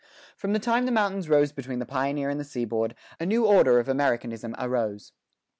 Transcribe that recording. From the time the mountains rose between the pioneer and the seaboard, a new order of Americanism arose.